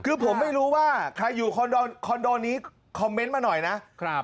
คือผมไม่รู้ว่าใครอยู่คอนโดคอนโดนี้มาหน่อยน่ะครับ